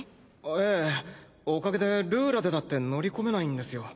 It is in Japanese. ええおかげでルーラでだって乗り込めないんですよ。